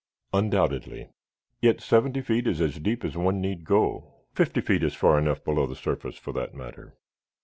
"Undoubtedly. Yet seventy feet is as deep as one need go. Fifty feet is far enough below the surface, for that matter.